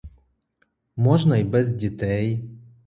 Можна й без дітей.